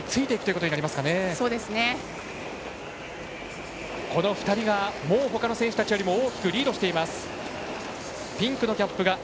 この２人がほかの選手たちよりも大きくリードしています。